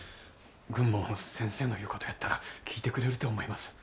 軍も先生の言うことやったら聞いてくれるて思います。